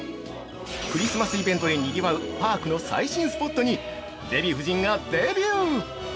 クリスマスイベントで賑わうパークの最新スポットにデヴィ夫人がデビュー！